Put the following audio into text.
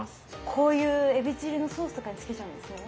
こういうえびチリのソースとかにつけちゃうんですよね？